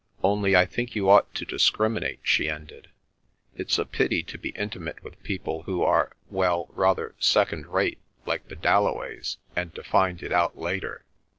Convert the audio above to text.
"Only I think you ought to discriminate," she ended. "It's a pity to be intimate with people who are—well, rather second rate, like the Dalloways, and to find it out later."